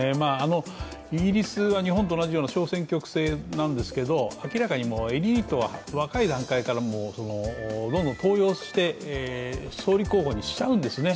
イギリスは日本と同じような小選挙区制なんですけど明らかにエリートは若い段階からどんどん登用して、総理候補にしちゃうんですね。